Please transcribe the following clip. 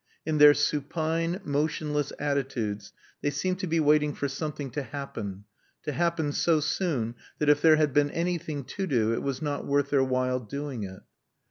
In their supine, motionless attitudes they seemed to be waiting for something to happen, to happen so soon that, if there had been anything to do, it was not worth their while doing it.